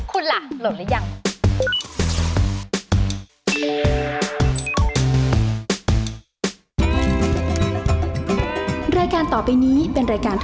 คุณล่ะโหลดแล้วยัง